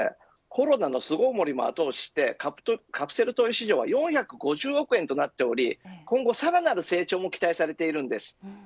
コロナの巣ごもりも後押ししてカプセルトイ市場は４５０億円となっており今後、さらなる成長も期待されているんです。